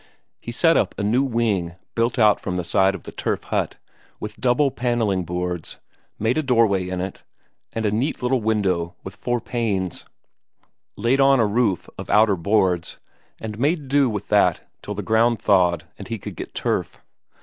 He set up a new wing built out from the side of the turf hut, with double panelling boards, made a doorway in it, and a neat little window with four panes; laid on a roof of outer boards, and made do with that till the ground thawed and he could get turf.